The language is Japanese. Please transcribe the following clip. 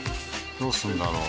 どうするんだろう？